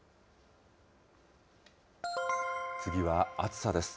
次は暑さです。